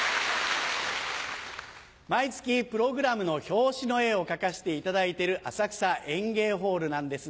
毎月プログラムの表紙の絵を描かせていただいてる浅草演芸ホールなんですが。